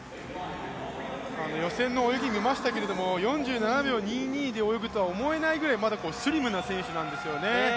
予選の泳ぎ見ましたけども４７秒２２で泳ぐとは思えないぐらいまだスリムな選手なんですよね。